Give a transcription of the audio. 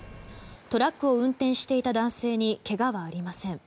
トラックを運転していた男性にけがはありません。